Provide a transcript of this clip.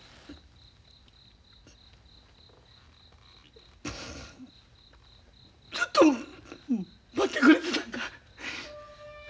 ずっと持ってくれてたんか。